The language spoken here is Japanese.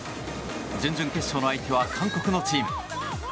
準々決勝の相手は韓国のチーム。